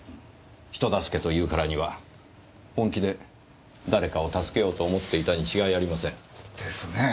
人助けというからには本気で誰かを助けようと思っていたに違いありません。ですね。